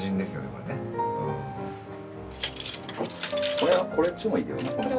これはこっちもいいけどな。